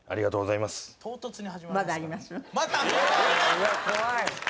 うわっ怖い！